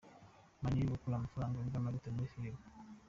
Muniru akura amafaranga angana gute muri filime?.